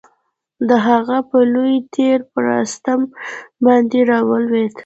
د هغه یو لوی تیر پر رستم باندي را ولوېد.